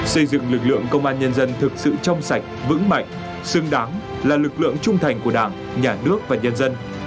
xây dựng lực lượng công an nhân dân thực sự trong sạch vững mạnh xứng đáng là lực lượng trung thành của đảng nhà nước và nhân dân